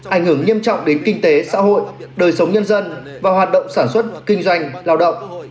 ảnh hưởng nghiêm trọng đến kinh tế xã hội đời sống nhân dân và hoạt động sản xuất kinh doanh lao động